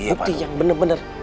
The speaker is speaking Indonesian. bukti yang bener bener